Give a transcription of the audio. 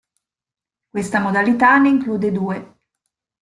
Questa modalità ne include due.